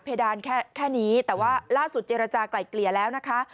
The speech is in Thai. ดานแค่นี้แต่ว่าล่าสุดเจรจากลายเกลี่ยแล้วนะคะ